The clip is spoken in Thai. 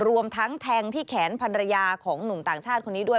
รวมทั้งแทงที่แขนพันรยาของหนุ่มต่างชาติคนนี้ด้วย